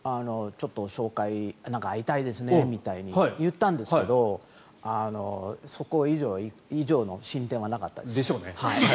ちょっと会いたいですねみたいに言ったんですけどそれ以上の進展はなかったです。でしょうね。